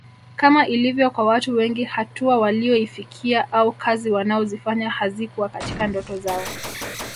Kama ilivyo kwa watu wengi hatua waliyoifikia au kazi wanazoifanya hazikuwa katika ndoto zao